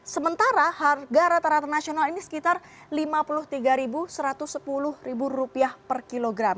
sementara harga rata rata nasional ini sekitar rp lima puluh tiga satu ratus sepuluh per kilogram